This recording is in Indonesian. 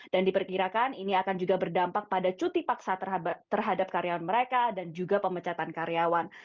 dan diperkirakan ini akan juga berdampak pada cuti paksa terhadap karyawan mereka dan juga pemecatan karyawan